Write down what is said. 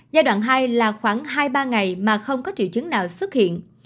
giai đoạn hai là khoảng hai ba ngày mà không có triệu chứng nào xuất hiện